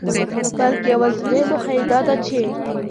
بلکي يوازنۍ موخه يې داده چي